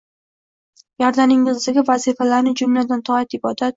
Gardaningizdagi vazifalarni jumladan, toat-ibodat